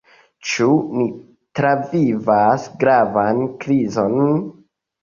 Ĉu ni travivas gravan krizon?